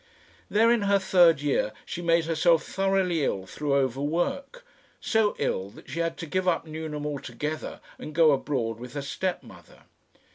There in her third year she made herself thoroughly ill through overwork, so ill that she had to give up Newnham altogether and go abroad with her stepmother.